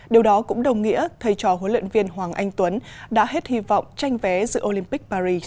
điều đó cũng đồng nghĩa thay cho huấn luyện viên hoàng anh tuấn đã hết hy vọng tranh vé giữa olympic paris